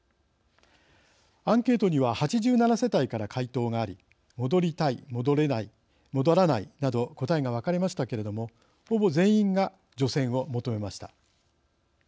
アンケートには８７世帯から回答があり戻りたい、戻らないなど答えが分かれましたけれどもほぼ全員が除染を求めました。